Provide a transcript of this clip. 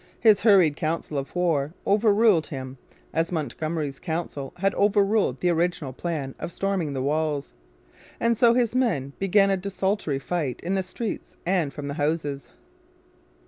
His hurried council of war over ruled him, as Montgomery's council had over ruled the original plan of storming the walls; and so his men began a desultory fight in the streets and from the houses.